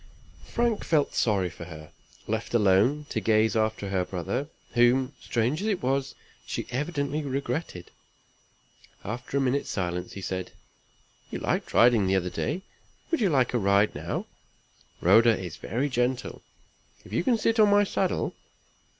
Frank felt sorry for her, left alone to gaze after her brother, whom, strange as it was, she evidently regretted. After a minute's silence, he said: "You liked riding the other day. Would you like a ride now? Rhoda is very gentle, if you can sit on my saddle.